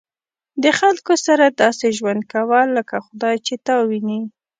د خلکو سره داسې ژوند کوه لکه خدای چې تا ویني.